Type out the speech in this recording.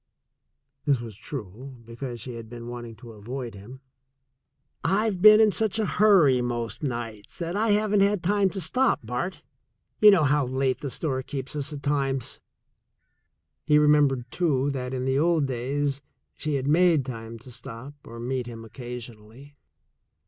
(This was true, because she had been wanting to avoid him.) "I've been in such a hurry, most nights, that I haven't had time to stop, Bart. You know how late the store keeps us at times." He remembered, too, that in the old days she had made time to stop or meet him occasionally.